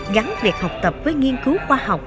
gắn việc học tập với nghiên cứu khoa học